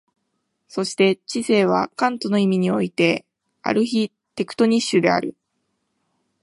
そして知性はカントの意味においてアルヒテクトニッシュである。